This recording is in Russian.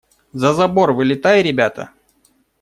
За забор вылетай, ребята!